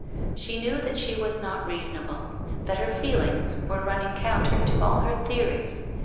She knew that she was not reasonable, that her feelings were running counter to all her theories.